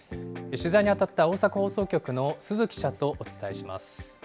取材に当たった大阪放送局の鈴記者とお伝えします。